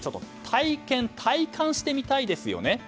体感してみたいですよね。